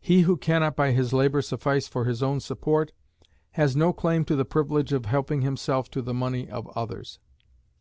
He who can not by his labor suffice for his own support, has no claim to the privilege of helping himself to the money of others.